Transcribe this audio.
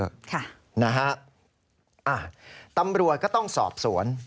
ค่ะนะฮะตำรวจก็ต้องสอบสวน